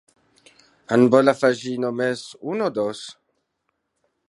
En vol afegir només un o dos?